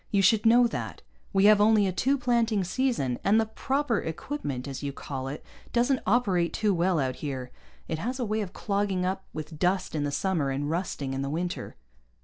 You should know that. We have only a two planting season, and the 'proper equipment,' as you call it, doesn't operate too well out here. It has a way of clogging up with dust in the summer, and rusting in the winter."